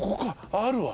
あるわ。